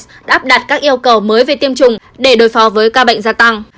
đáp đặt các yêu cầu mới về tiêm chủng để đối phó với ca bệnh gia tăng